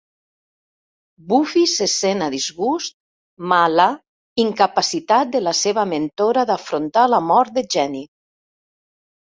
Buffy se sent a disgust ma la incapacitat de la seva mentora d'afrontar la mort de Jenny.